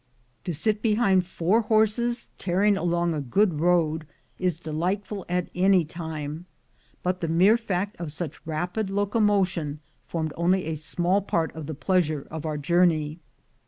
To sit behind four horses tearing along a good road is delightful at any time, but the mere fact of such rapid locomotion formed only a small part of the pleasure of our journey.